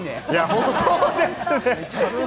本当そうですね。